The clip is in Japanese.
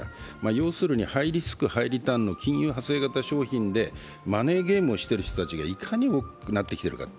要するにハイリスク・ハイリターンの金融派生型商品でマネーゲームをしている人たちが、いかに多くなってきているか。